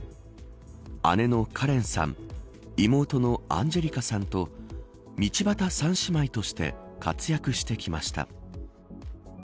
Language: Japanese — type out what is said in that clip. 姉のカレンさん妹のアンジェリカさんと道端３姉妹として活躍してきました。